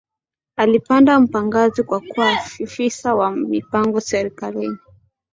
Alipanda mpakangazi ya kuwa afisa wa mipango serikalini